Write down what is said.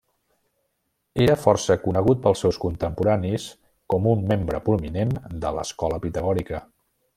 Era força conegut pels seus contemporanis com un membre prominent de l'escola pitagòrica.